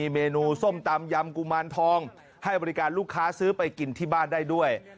เมนูส้มตำยำกุมารทองให้บริการลูกค้าซื้อไปกินที่บ้านได้ด้วย